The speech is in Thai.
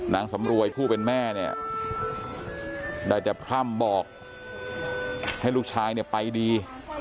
นางสำรวยผู้เป็นแม่ได้จะพร่ำบอกให้ลูกชายไปดี